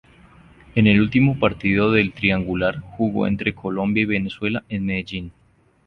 En el último partido del triangular jugó entre Colombia y Venezuela en Medellín.